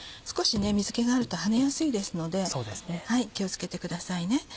少し水気があるとはねやすいですので気を付けてくださいね。